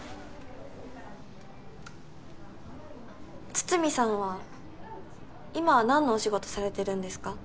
筒見さんは今は何のお仕事されてるんですか？